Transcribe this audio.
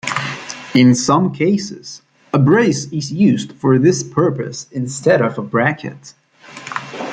In some cases, a brace is used for this purpose instead of a bracket.